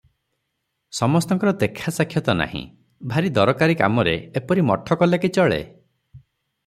ସମସ୍ତଙ୍କର ଦେଖାସାକ୍ଷାତ ନାହିଁ, ଭାରି ଦରକାରି କାମରେ ଏପରି ମଠ କଲେ କି ଚଳେ?"